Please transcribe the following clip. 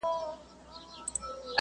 په فضا کې غږ نه اورېدل کیږي.